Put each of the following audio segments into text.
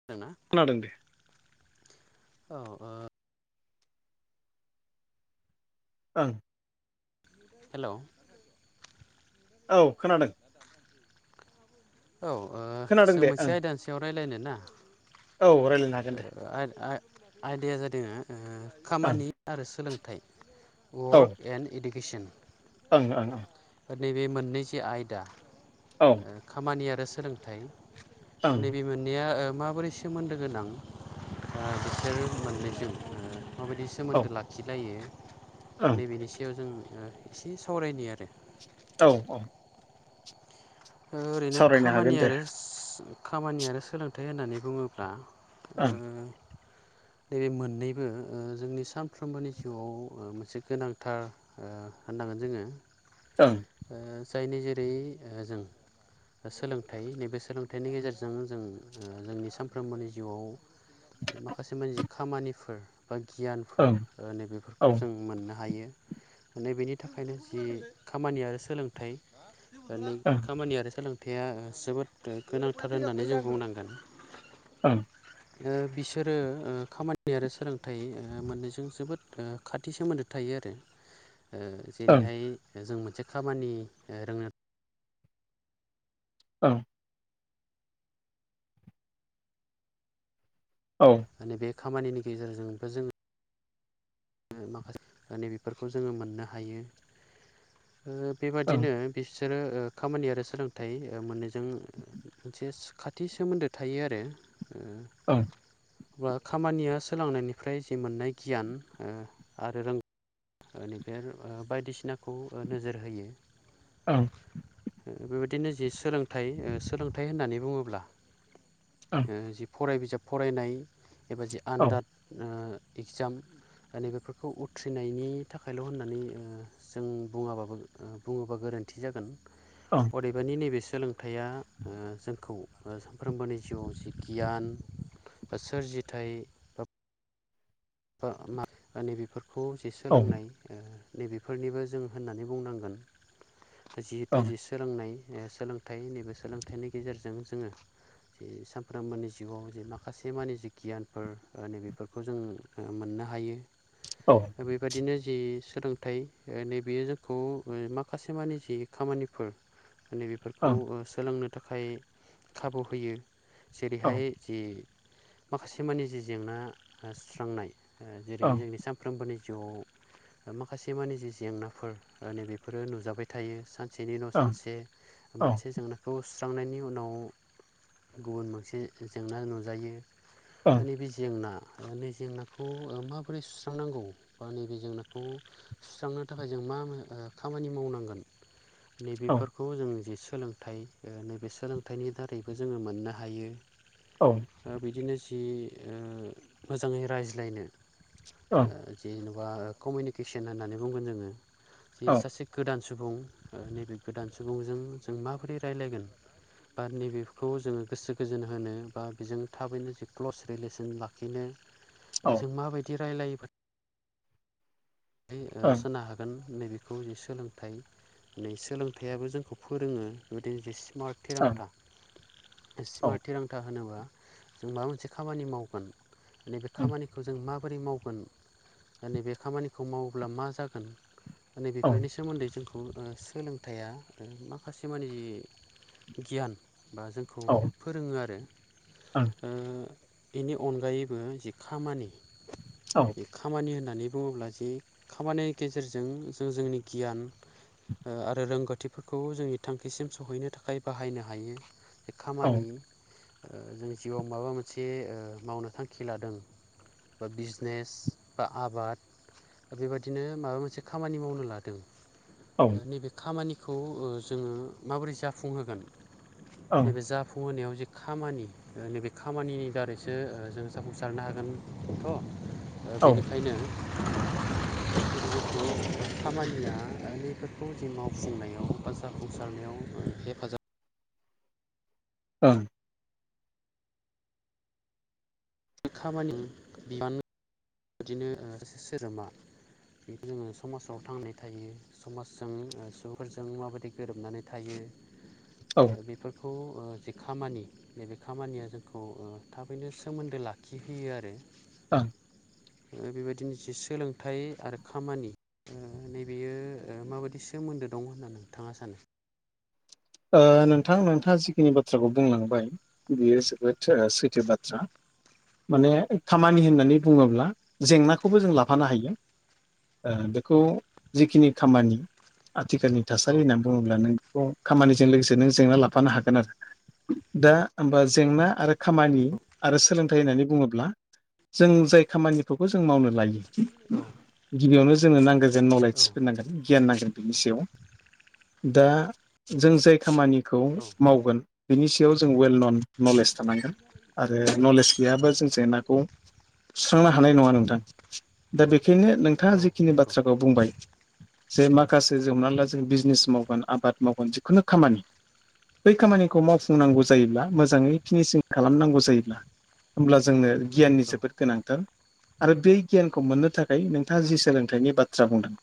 खोनादों ना? खोनादों दे। औ आ ओं हेलौ औ खोनादों। औ खोनादों जों दे मोनसे ओं आयदानि सायाव रायलायनो ना। औ रायज्लायनो हागोन ओ दे आ-आ-आयदाया जादों ओ ओं खामानि। आरो सोलोंथाइ औ वार्क एन्ड इडुकेसन। ओं ओं ओं। नैबे मोननै सो आयदा। औ ओ खामानि आरो सोलोंथाइ नैबे औ मोननाया ओ माबोरै सो सोमोन्दो गोनां बिसोरो मोननैजों माबायदि सोमोन्दो लाखिलायो ओं नैबेनि सायाव जों ओ एसे सावरायनि आरो। औ औ। ओरैनो सावरायनो हागोन खामानि दे आरो खामानि आरो सोलोंथाइ होननानै बुङोब्ला ओ ओं जेरै मोननैबो जोंनि सानफ्रोमबोनि जिउआव मोनसे गोनांथार ओ होननांगोन जोङो ओं जायनि जेरै जों सोलोंथाइ नैबे सोलोंथाइनि गेजेरजों जों जोंनि सानफ्रोमबोनि जिउआव माखासे मानजि खामानिफोर बा गियानफोर ओं औ नैबेफोरखौ जों मोननो हायो। नै बेनि थाखायनो जि खामानि आरो सोलोंथाइ दानि खामानि आरो सोलोंथाइया जोबोद गोनांथार होननानै जों बुंनांगोन। ओं ओ बिसोरो खामानि आरो सोलोंथाइ मोन्नैजों जोबोद खाथि सोमोन्दो थायो आरो ओ ओं जेरैहाय जों मोनसे खामानि रोंनो ओं औ माने बे खामानिनि गेजेरजों जोङो ङो माखासे नै बेफोरखौ जोङो मोननो हायो ओ ओं बेबादिनो बेसोरो खामानि आरो सोलोंथाइ मोननैजों मोनसे खाथि सोमोन्दो थायो आरो। ओ औ अब्ला खामानिया सोलोंनायनिफ्राय जि मोननाय गियान ओ आरो रों-नैबे ओ बायदिसिनाखौ नोजोर होयो। ओं बेबायदिनो जि सोलोंथाइ सोलोंथाइ होननानै बुङोब्ला जि फराय बिजाब फरायनाय एबा जि ओं औ आनदाद इगजाम नैबेफोरखौ उथ्रिनायनि थाखायल' होननानै जों बुङाबाबो बुङोबा गोरोन्थि जागोन ओं अदेबानि नैबे सोलों थाया जोंखौ सानफ्रोमबोनि जिउआव जि गियान बा सोरजिथाय बा माब नैबेफोरखौ जे औ सोलोंनाय नै बेफोरनिबो जों होननानै बुंनांगोन जिहेथु जे सोलोंनाय ओ सोलोंथाइ नैबे सोलोंथाइनि गेजेरजों जोङो ए सामफ्रामोनि जिवाव जे माखासे मानिे जि गियानफोर ओ नैबेफोरखो जों ओ मोननो हायो। औ बेबादिनो जि सोलोंथाइ ओ नैबेयो जोंखौ ओ माखासे मानि जि खामानिफोर माने बेफोरखौ ओ सोलोंनो थाखाय खाबु होयो। जेरैहाय औ जि माखासेमानि जि जेंना ओ सुस्रांनाय ओ जेरै ओं जोंनि साम फ्रोमबोनि जिउआव माखासे मानि जि जेंनाफोर ओ नैबेेफोरो नुजाबाय थायो। सान सेनि न' औ सान से मोनसे जोंनो खौ सुस्रांनायनि उनाव गुबुन मोनसे जेंना नुजायो। ओं खालि से जेंना जेंनाखौ माबोरै सुस्रांनांगौ बा नैबे जेंनाखौ सुस्रांनो थाखाय जों मा ओ खामानि मावनांगोन नैबेफोरखौ जों जि सोलोंथाइ ओ नैबे सोलोंथाइनि दारैबो जोङो मोननो हायो। औ दा बिदिनो जि ओ मोजाङै रायज्लायनो ओ जेन'बा कमिउनिकेसन होननानै बुंगोन जोङो बे औ सासे गोदान सुबुं ओ नैबे गोदान सुबुंजों जों माबोरै राय्लायगोन बा नैबेखौ जोङो गोसो गोजोन होनो बा बेजों थाबैनो जि क्लस रिलेसन लाखिनो बेजों माबायदि रायलायोबा नै ओ सोनो हागोन नैबे खौ जे सोलोंथाइ नै सोलोंथाइयाबो जोंखौ फोरोङो बिदिनो जि सिमार्ट थिरांथा सिमार्ट थिरांथा होनोबा जों माबा मोनसे खामानि मावगोन। नैबे खामानिखौ जों माबोरै मावगोन दा नैबे खामानि खौ मावोब्ला मा जागोन नै औ ओं बेफोरनिमोन्दै जोंखौ ओ सोंलों थाया ओ माखासे मानि गियान बा जोंखौ औ फोरोङो आरो। ओं ओ बेनि अनगायैबो जि खामानि औ बे खामानि होननानै बुङोब्ला जे खामानिनि गेजेरजों जों जोंनि गियान ओ आरो रोंगौथिफोरखौ जोंनि थांखिसिम सहैनो थाखाय बाहायनो हायो। ओं औ खामानि औ जों जिउआव माबा मोनसे ओ मावनो थांखि लादों बा बिजनेस बा आबाद दा बेबादिनो माबा मोनसे खामानि मावनो लादों नैबे खामानिखौ ओ जों माबोरै जाफुंहोगोन ओं नैबे जाफुंहोनायाव जे खामानि नैबे ओ खामानिनि दारैसो ओ जों जाफुंसारनो हागोनथ'। ओ औ बेनिखायनो जोंखौ [inaudible] खामानिया ओ नैफोरखौ जि मावफुंनायाव बा जाफुंसारनायाव ओ हेफाजाब ओं खामानि बिबान दिनो ओ सासे सोद्रोमा बेखौ जोङो समाजाव थांनानै थायो। समाजजों सुबुंफोरजों माबादि थायो औ ओ बेफोर खौ ओ जे खामानि नैबे खामानिया जोंखौ ओ थाबैनो सोमोन्दो लाखि होयो आरो। ओं बेबायदिनो जि सोलोंथाइ आरो खामानि ओ नैबेयो ओ माबादि सोमोन्दो दं होननानै नोंथाङा सानो? ओ नोंथां नोंथाङा जिखिनि बाथ्राखौ बुंलांबाय बेयो जोबोद सैथो बाथ्रा माने खामानि होननानै बुङोब्ला जेंनाखौबो जों औ लाफानो हायो बेखौ जिखिनि खामानि आथिखालनि औ थासारि होननानै बुङोब्ला नों बेखौ खामानिजों लोगोसे नों जेंना लाफानो हागोन आरो दा होमबा जेंना आरो खामानि आरो सोलोंथाइ होननानै बुङोब्ला जों जाय खामानिफोरखौ जों मावनो लायो गिबियावनो जोंनो नांगोन जेन औ औ मावलायथिफोर नांगोन गियान नांगोन [inaudible] बेनि सायाव दा जों जाय खामानिखौ औ मावगोन बिनि सायाव जों वेल नन नलेज थानांगोन आरो नलेज बेयाबो जों जेंनाखौ सुस्रांनो हानाय नङा नोंथां दा बेखायनो नोंथाङा औ जिखिनि नंगौ बाथ्राखौ बुंबाय जे माखासे जों हमनानै ला जों बिजनेस मावगोन आबाद मावगोन जिखुनु खामानि बै खामानिखौ औ मावफुंनांगौ जायोब्ला मोजाङै फिनिसिं खालामनांगौ जायोब्ला होमब्ला जोंनो गियाननि औ जोबोद गोनांथार आरो बे गियानखौ मोननो थाखाय नोंथाङा जि सोलोंथाइनि बाथ्रा बुंदों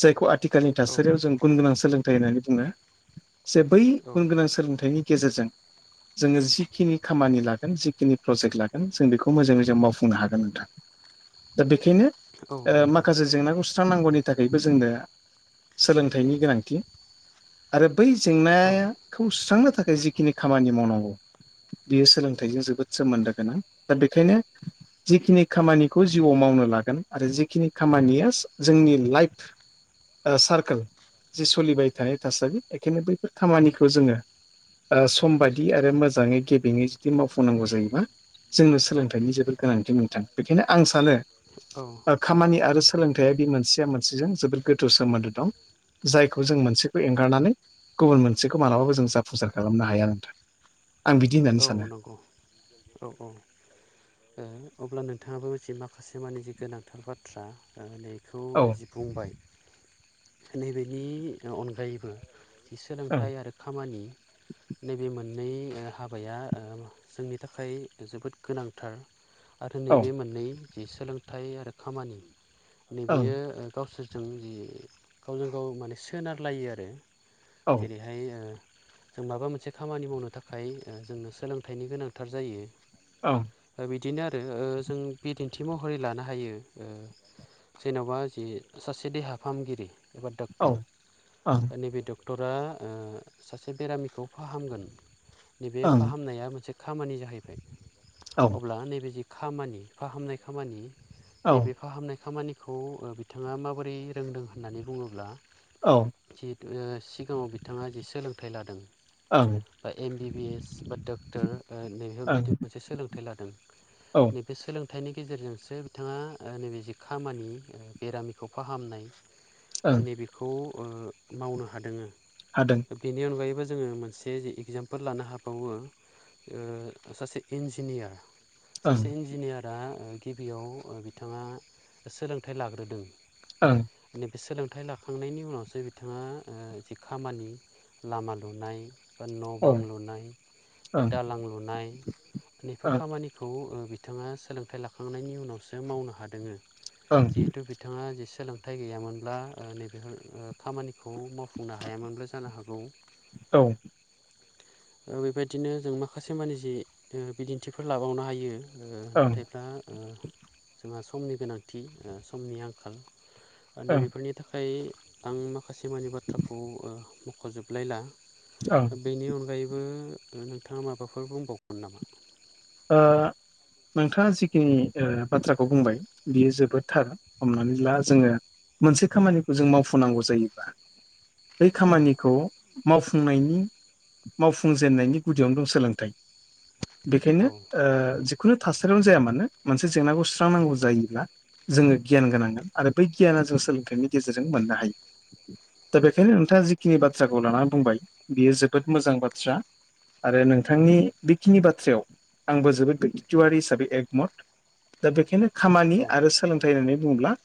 जायखौ आथिखालनि औ थासारियाव जों गुन गोनां सोलोंथाइ होननानै बुङो जे बै गुन गोनां सोलोंथाइनि गेजेरजों जोङो जिखिनि खामानि लागोन जिखिनि प्रजेक्ट लागोन जों बेखौ मोजाङै मोजां मावफुंनो हागोन नोंथाङा दा बेखायनो औ नंगौ माखासे जेंनाखौ सुस्रांनांगौनि थाखायबो जोंनो सोलोंथाइनि गोनांथि आरो बै औ जेंनाखौ सुस्रांनो थाखाय जिखिनि खामानि मावनांगौ बियो सोलोंथाइजों जोबोद सोमोन्दो गोनां दा बेखायनो जिखिनि खामानिखौ जिउआव मावनो लागोन आरो जिखिनि खामानिया जोंनि लाइफ सारकोल जि सोलिबाय थानाय थासारि बेखायनो बैफोर खामानिखौ जोङो सम बादि आरो मोजाङै गेबेङै जुदि मावफुंनांगौ जायोबा जोंनो सोलोंथाइनि जोबोर गोनांथि नोंथां बेखायनो आं सानो औ खामानि आरो सोलोंथाइया बे मोनसेया मोनसेजों जोबोद गोथौ सोमोन्दो दं जायखौ जों मोनसे बे एंगारनानै गुबुन मोनसेखौ मालाबाबो जों जाफुंसार खालामनो हाया नोंथां आं बिदि होननानै औ सानो नंगौ औ औ अब्ला नोंथाङाबो जि माखासे मानिे जि गोनांथार बाथ्रा बेखौ औ जि बुंबाय नैबेनि अनगायैबो ओं सोलोंथाइ आरो खामानि नैबे मोननै हाबा हाबाया जोंनि थाखाय जोबोद गोनांथार आरो औ नैबे मोननै जि सोलोंथाइ आरो खामानि ओं नैबेयो गावसोरजों जि गावजों गाव माने सोनारलायो आरो औ जेरै बेहाय जों माबा मोनसे खामानि मावनो थाखाय जोंनो सोलोंथाइनि गोनांथार जायो औ बिदिनो आरो जों बिदिन्थि महरै लानो हायो जेन'बा जि सासे देहा फाहामगिरि एबा औ डक्टर ओं नैबे डक्टरा सासे बेरामिखौ फाहामगोन नैबे ओं फाहामनाया मोनसे खामानि जाहैबाय औ अब्ला नैबे जि खामानि फाहामनाय खामानि नैबे फाहामनाय खामानि खौ बिथाङा माबोरै रोंदों होननानै बुङोब्ला औ जि सिगाङाव बिथाङा जि सोलोंथाइ लादों औ बा एम बि बि एस बा डक्टर नैफोरबायदि मोनसे सोलोंथाइ लादों ओं औ बे सोलोंथाइनि गेजेरजोंसो बिथाङा नैबे जि खामानि बेरामिखौ फाहामनाय [inaudible] दा नैबेखौ ओ मावनो हादों ओ। हादों। बेनि अगायैबो जोङो मोनसे एगजाम फोल लानो हाबावो ओ सासे इन्जिनियार ओं सासे इन्जिनियारा गिबियाव बिथाङा सोलोंथाइ लाग्रोदों। ओं। नैबे सोलोंथाइ लाखांनायनि उनावसो बिथाङा ओ जि खामानि लामा लुनाय बा न' औ बां ओं लुनाय बा ओं दालां लुनाय बेफोर खामानि खौ बिथाङा सोलोंथाइ लाखांनायनि उनावसो मावनो हादोङो जिहेथु थाङा जे सोलोंथाइ गैयामोनब्ला नैबेफोर खामानिखौ मावफुंनो हायामोनब्ला जानो हागौ। औ। औ बेदिनो जों माखासे माने जे ओ बिदिन्थिफोर लाबावनो हायो। ओ नाथायब्ला ओ जोंहा समनि गोनांथि ओ समनि आंखाल ओं नैबेफोरनि थाखाय आं माखासे मानि बाथ्राखौ ओ मख'जोबनायला। ओ। बेनि अनगायैबो नोंथाङा माबाफोर बुंबावगोन नामा? ओह नोंथाङा जिखिनि ओ बाथ्राखौ बुंबाय बियो जोबोदथार हमनानै ला जोङो मोनसे खामानिखौ जों मावफुनांगौ जायोबा बे औ खामानिखौ मावफुंनायनि मावफुंजेननायनि गुदियावनो दं सोलोंथाइ औ बेखायनो ओ जिखुनु थासारियावनो जाया मानो मोनसे जेंनाखौ सुस्रांनांगौ जायोब्ला जोङो गियान गोनांगोन आरो बै गियाना जों सोलोंथाइनि गेजेरजों मोननो हायो। दा बेखायनो नोंथाङा जिखिनि बाथ्राखौ लानानै बुंबाय बियो जोबोद मोजां बाथ्रा। आरो नोंथांनि बेखिनि बाथ्रायाव आंबो जोबोद बेतुवारि हिसाबै एकमथ दा बेखायनो औ खामानि आरो सो सोलोंथाइ होननानै बुंब्ला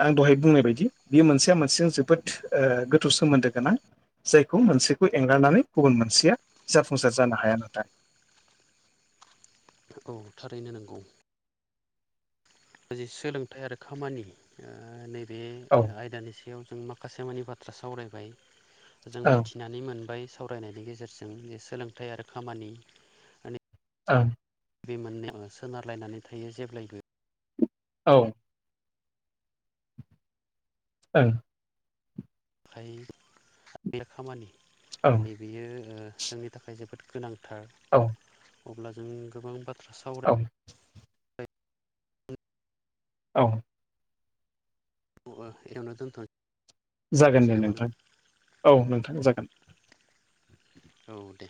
आं दहाय बुंनाय बायदि बि मोनसेया मोनसेजों जोबोद ओ गोथौ सोमोन्दो गोनां। जायखौ मोनसेखौ एंगारनानै गुबुन मोनसेया जाफुंसार जानो हाया नाथाय औ थारैनो नोंगौ। जि सोलोंथाइ आरो खामानि ओ नैबे औ आयदानि सायाव जों मा खासे मानि बाथ्रा सावरायबाय जों औ मोनथि नानै मोनबाय सावरायनायनि गेजेरजों जे सोलोंथाइ आरो खामानि माने ओं। बे मोननै ओ सोनारलायनानै थायो जेब्लायबो। औ। ओं। फाय [unintelligible] खामानि औ माने बियो ओ जोंनि थाखाय जोबोद गोनांथार। औ। अब्ला जों गोबां बाथ्रा साव औ। औ। खौ ओ एयावनो दोनथ' जागोन दे नोंथां औ नोंथां जागोन। औ दे।